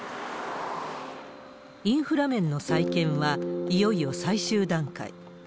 インフラ面の再建はいよいよ最終段階。